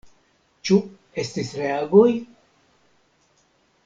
Ĉu estis reagoj?